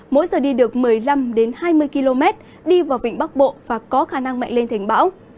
mỗi giờ đi được một mươi năm hai mươi km đi vào vịnh bắc bộ và có khả năng mạnh lên thành bão